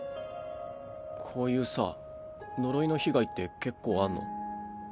こういうさ呪いの被害って結構あんの？